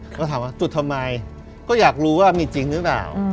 ก็ถามว่าจุดทำไมก็อยากรู้ว่ามีจริงหรือเปล่า